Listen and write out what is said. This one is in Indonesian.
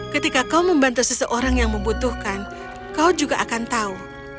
ketika kau membantu seseorang yang membutuhkan kau juga akan tahu